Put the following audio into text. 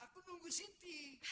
aku nunggu siti